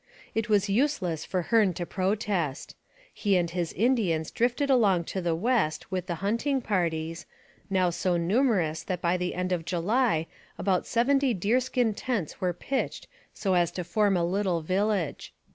It was useless for Hearne to protest. He and his Indians drifted along to the west with the hunting parties, now so numerous that by the end of July about seventy deer skin tents were pitched so as to form a little village.